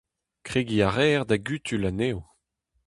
Kregiñ a reer da gutuilh anezho.